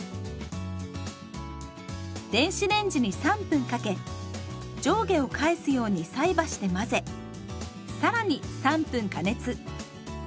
電子レンジに３分かけ上下を返すように菜箸で混ぜ更に３分加熱。